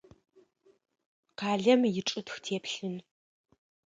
Къалэм ичӏытх теплъын.